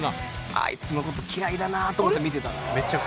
あいつの事嫌いだなと思って見てたんです。